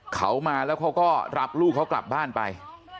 เขามาแล้วเขาก็รับลูกเขากลับบ้านไป